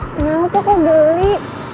kenapa kok geli